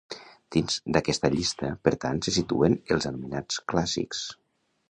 Dins d'aquesta llista, per tant, se situen els anomenats clàssics.